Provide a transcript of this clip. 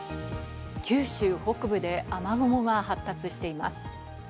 九州北部で雨雲が発達しています。